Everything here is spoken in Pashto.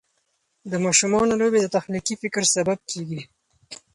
د ماشومانو لوبې د تخلیقي فکر سبب کېږي.